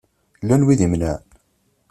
Llan wid imenεen?